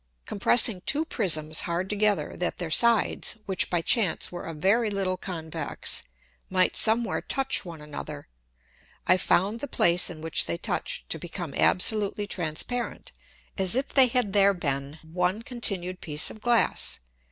Compressing two Prisms hard together that their sides (which by chance were a very little convex) might somewhere touch one another: I found the place in which they touched to become absolutely transparent, as if they had there been one continued piece of Glass.